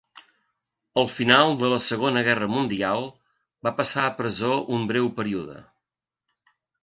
Al final de la Segona Guerra Mundial, va passar a presó un breu període.